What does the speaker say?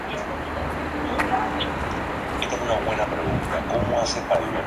Ambos jóvenes pese a pertenecer a castas diferentes son buenos amigos desde la infancia.